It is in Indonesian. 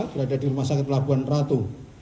berada di rumah sakit pelabuhan ratu